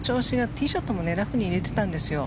ティーショットもラフに入れてたんですよ。